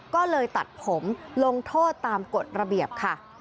ก็เลยตัดผมลงโทษตามกฎระเบียบค่ะ